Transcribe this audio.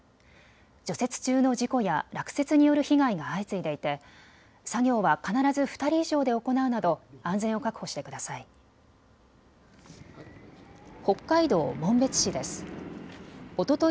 除雪中の事故や落雪による被害が相次いでいて作業は必ず２人以上で行うなど安全を確保してください。